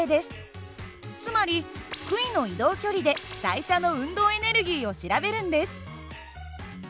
つまり杭の移動距離で台車の運動エネルギーを調べるんです。